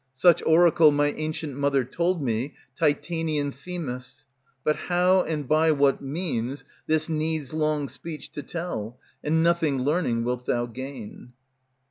Such oracle my ancient Mother told me, Titanian Themis; But how and by what means, this needs long speech To tell, and nothing, learning, wilt thou gain.